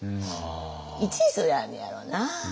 いちずやんねやろな。